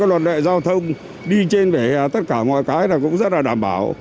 luật lệ giao thông đi trên tất cả mọi cái cũng rất đảm bảo